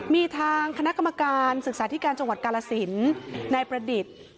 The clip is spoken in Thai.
มีทางคณะกรรมการศึกษาธิการจังหวัดกาลสินนายประดิษฐ์